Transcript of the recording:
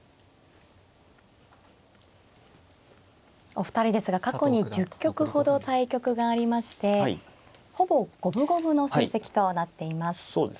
お二人ですが過去に１０局ほど対局がありましてほぼ五分五分の成績となっています。